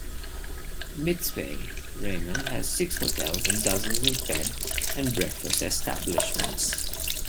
Mitzpe Ramon has six hotels and dozens of Bed and Breakfast establishments.